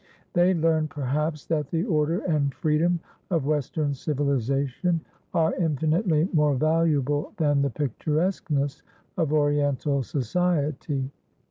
They learned, perhaps, that the order and freedom of Western civilization are infinitely more valuable than the picturesqueness of Oriental society.